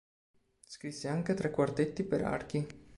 Scrisse anche tre quartetti per archi.